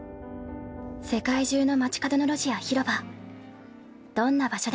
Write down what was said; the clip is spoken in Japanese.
世界中の街角の路地や広場